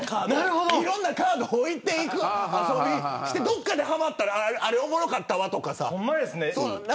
いろんなカードを置いていってどこかではまったらあれ、おもろかったわとか。